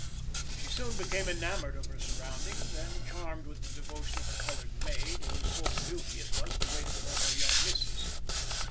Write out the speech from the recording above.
She soon became enamoured of her surroundings and charmed with the devotion of her coloured maid, whose sole duty it was to wait upon her young missis.